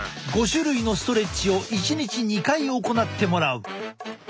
５種類のストレッチを１日２回行ってもらう。